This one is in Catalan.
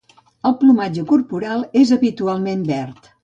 El plomatge corporal és habitualment verd.